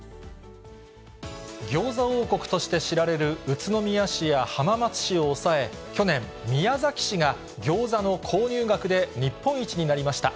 ギョーザ王国として知られる宇都宮市や浜松市を抑え、去年、宮崎市がギョーザの購入額で日本一になりました。